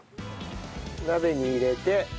鍋に入れて。